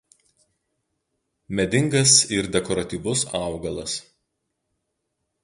Medingas ir dekoratyvus augalas.